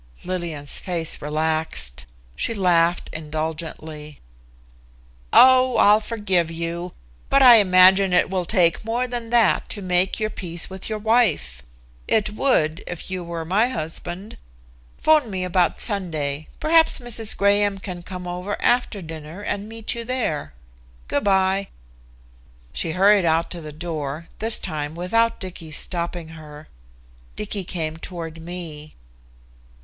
Lillian's face relaxed. She laughed indulgently. "Oh, I'll forgive you, but I imagine it will take more than that to make your peace with your wife! It would if you were my husband. 'Phone me about Sunday. Perhaps Mrs. Graham can come over after dinner and meet you there. Good by." She hurried out to the door, this time without Dicky's stopping her. Dicky came toward me.